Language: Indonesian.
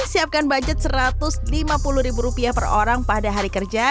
siapkan budget rp satu ratus lima puluh per orang pada hari kerja